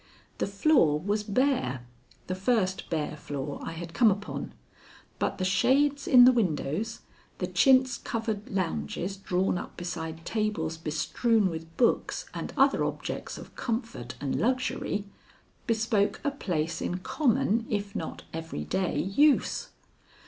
The floor was bare the first bare floor I had come upon but the shades in the windows, the chintz covered lounges drawn up beside tables bestrewn with books and other objects of comfort and luxury, bespoke a place in common if not every day use.